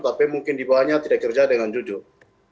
tapi mungkin di bawahnya tidak kerja dengan jujur